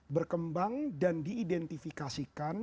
berkembang dan diidentifikasikan